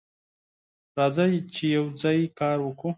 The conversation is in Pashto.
راځه چې یوځای کار وکړو.